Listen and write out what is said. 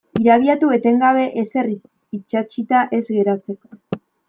Irabiatu etengabe ezer itsatsita ez geratzeko.